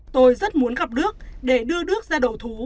tôi rất muốn gặp đức để đưa đức ra đầu thú